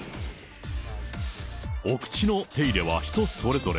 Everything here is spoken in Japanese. お口の手入れは人それぞれ。